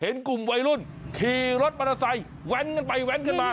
เห็นกลุ่มวัยรุ่นขี่รถบรรทัดไปแวนเพิ่มเกิดมา